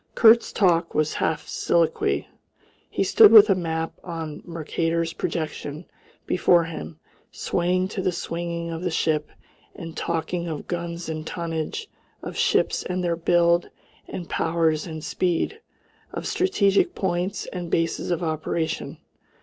Kurt's talk was half soliloquy. He stood with a map on Mercator's projection before him, swaying to the swinging of the ship and talking of guns and tonnage, of ships and their build and powers and speed, of strategic points, and bases of operation.